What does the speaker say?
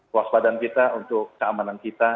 kewaspadaan kita untuk keamanan kita